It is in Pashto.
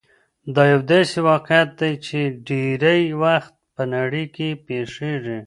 دا يو داسې واقعيت دی چې ډېری وخت په نړۍ کې پېښېږي.